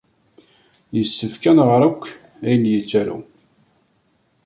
Yessefk ad nɣer akk ayen yettaru.